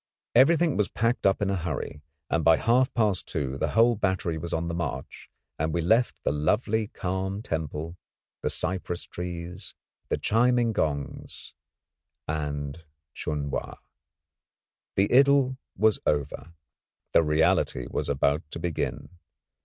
Everything was packed up in a hurry, and by half past two the whole battery was on the march, and we left the lovely calm temple, the cypress trees, the chiming gongs, and Chun Wa. The idyll was over, the reality was about to begin.